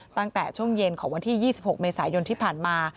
ตั้งแต่ช่วงเย็นของวันที่๒๖เมษายนที่ผ่านมา